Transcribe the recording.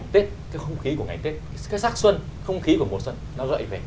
tết cái không khí của ngày tết cái sắc xuân không khí của mùa xuân nó rợi về